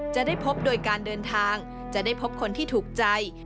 จะได้พบโดยการเดินทางจะได้พบคนที่ถูกใจ